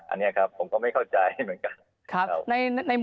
อันนี้ครับผมก็ไม่เข้าใจเหมือนกัน